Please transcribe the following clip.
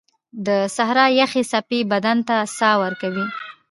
• د سهار یخې څپې بدن ته ساه ورکوي.